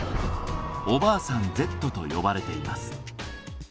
おばあさんＺと呼ばれています